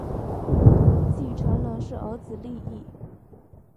继承人是儿子利意。